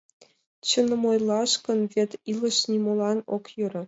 Чыным ойлаш гын, вет илыш нимолан ок йӧрӧ...